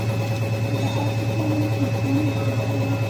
بهر دوښمنان هېڅ زیان نه شي رسولای.